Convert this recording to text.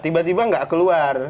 tiba tiba nggak keluar